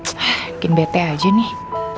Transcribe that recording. mungkin bete aja nih